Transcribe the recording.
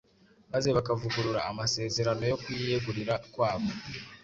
maze bakavugurura amasezerano yo kuyiyegurira kwabo,